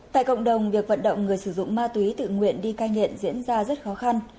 tại cộng đồng việc vận động người sử dụng ma túy tự nguyện đi cai nghiện diễn ra rất khó khăn